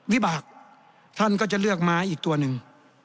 วิบากท่านก็จะเลือกไม้อีกตัวหนึ่ง